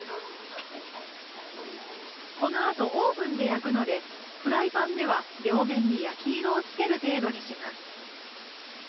このあとオーブンで焼くのでフライパンでは両面に焼き色をつける程度にします。